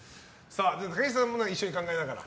竹下さんも一緒に考えながら。